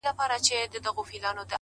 د غرمو گرم اورښته قدم اخله;